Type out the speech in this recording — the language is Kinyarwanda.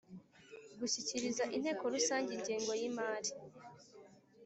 Gushyikiriza inteko rusange ingengo y imari